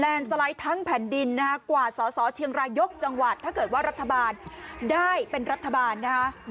แรงสลัยทางแผ่นดินนะครับกว่าส่อเชียงหลายก์จังหวัดถ้าเกิดว่ารัฒบาลได้เป็นรัฐบาลนะครับ